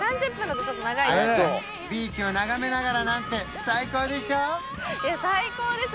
綾ちゃんビーチを眺めながらなんて最高でしょ？